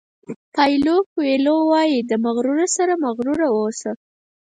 پایلو کویلو وایي د مغرورو سره مغرور اوسه.